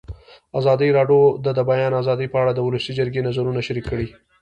ازادي راډیو د د بیان آزادي په اړه د ولسي جرګې نظرونه شریک کړي.